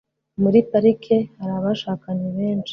Muri parike hari abashakanye benshi.